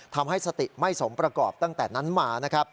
ทำให้สติไม่สมประกอบตั้งแต่นั้นมานะครับ